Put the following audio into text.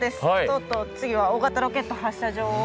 とうとう次は大型ロケット発射場を。